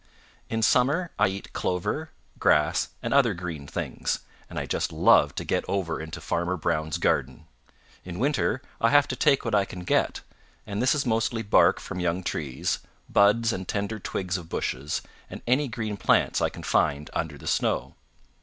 "In summer I eat clover, grass and other green things, and I just love to get over into Farmer Brown's garden. In winter I have to take what I can get, and this is mostly bark from young trees, buds and tender twigs of bushes, and any green plants I can find under the snow.